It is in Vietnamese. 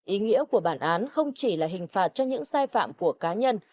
ý nghĩa của bản án không chỉ là hình phạt cho những sai phạm của cá nhân